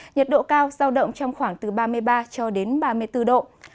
nhiệt độ cao giao động trong khoảng từ ba mươi ba ba mươi bốn độ